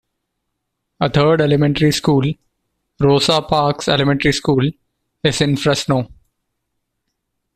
A third elementary school, Rosa Parks Elementary School, is in Fresno.